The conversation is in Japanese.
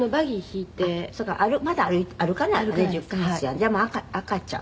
「じゃあまあ赤ちゃん？」